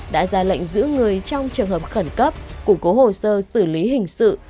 đã ra lệnh giữ người trong trường hợp khẩn cấp củng cố hồ sơ xử lý hình sự